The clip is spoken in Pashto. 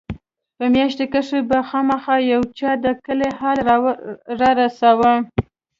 په مياشت کښې به خامخا يو چا د کلي حال رارساوه.